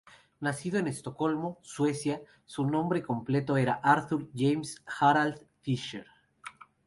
Nacido en Estocolmo, Suecia, su nombre completo era Arthur Johannes Harald Fischer.